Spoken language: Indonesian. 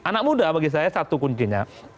anak muda bagi saya satu kuncinya